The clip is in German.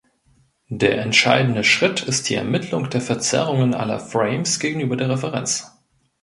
Der entscheidende Schritt ist die Ermittlung der Verzerrungen aller Frames gegenüber der Referenz.